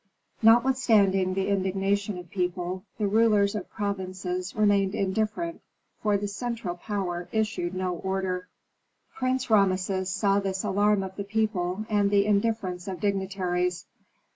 Notwithstanding the indignation of people, the rulers of provinces remained indifferent, for the central power issued no order. Prince Rameses saw this alarm of the people and the indifference of dignitaries.